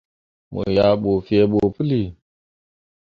Mo yah ɓu ferɓo puli.